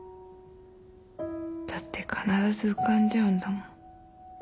「だって必ず浮かんじゃうんだもん。